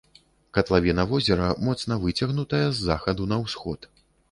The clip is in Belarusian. Катлавіна возера моцна выцягнутая з захаду на ўсход.